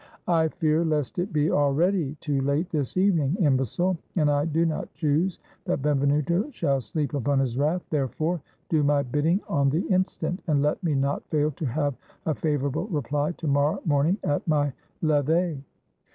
"I fear lest it be already too late this evening, im becile, and I do not choose that Benvenuto shall sleep upon his wrath; therefore do my bidding on the instant, and let me not fail to have a favorable reply to morrow morning at my levee."